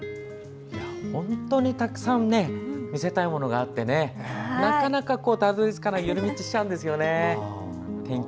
本当にたくさん見せたいものがあってなかなか寄り道しちゃうんですね。